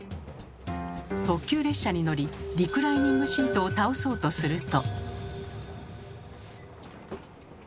特急列車に乗りリクライニングシートを倒そうとすると。